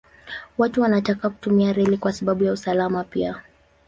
Watu wanataka kutumia reli kwa sababu ya usalama pia.